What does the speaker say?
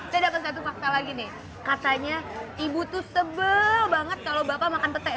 saya dapat satu fakta lagi nih katanya ibu tuh sebel banget kalau bapak makan petai